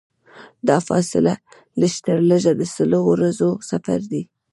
دا فاصله لږترلږه د لسو ورځو سفر دی.